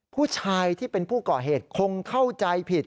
ผู้ชายที่เป็นผู้ก่อเหตุคงเข้าใจผิด